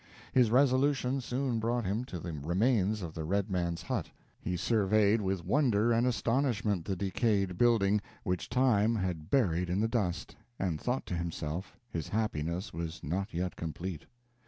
His resolution soon brought him to the remains of the red man's hut: he surveyed with wonder and astonishment the decayed building, which time had buried in the dust, and thought to himself, his happiness was not yet complete.